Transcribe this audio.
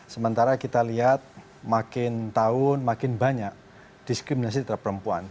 sementara kita lihat makin tahun makin banyak diskriminasi terhadap perempuan